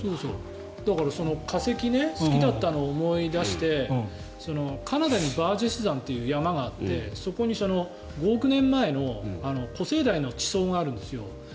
だから化石が好きだったのを思い出してカナダにバージェス山という山があってそこに５億年前の古生代の地層があるんですよ。